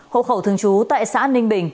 hộ khẩu thường trú tại xã ninh bình